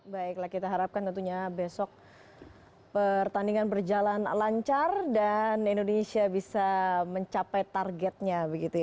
baiklah kita harapkan tentunya besok pertandingan berjalan lancar dan indonesia bisa mencapai targetnya